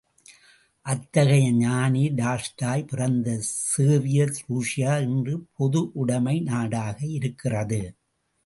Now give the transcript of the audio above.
அத்தகைய ஞானி டால்ஸ்டாய் பிறந்த சோவியத் ருஷ்யா இன்று பொதுவுடைமை நாடாக இருக்கிறது.